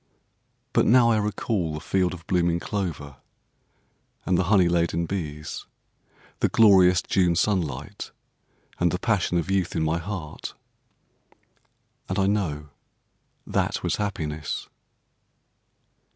But now I recall the field of blooming clover, and the honey laden bees, the glorious June sunlight, and the passion of youth in my heart; and I know that was happiness.